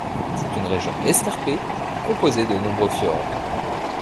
C’est une région escarpée composée de nombreux fjords.